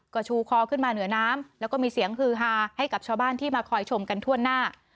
ก็ชูคอขึ้นมาเหนือน้ำแล้วก็มีเสียงฮือฮาให้กับชาวบ้านที่มาคอยชมกันทั่วหน้า